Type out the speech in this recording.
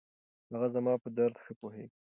هغه زما په درد ښه پوهېږي.